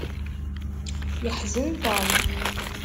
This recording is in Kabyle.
Yeḥzen Tom.